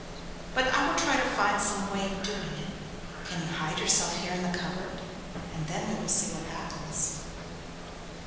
But I will try to find some way of doing it. Can you hide yourself here in the cupboard? and then we will see what happens.